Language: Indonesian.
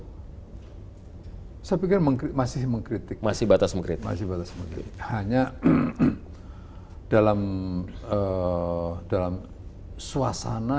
hai sepuluh mengkrimasi mengkritik masih batas mengkritik hanya dalam dalam suasana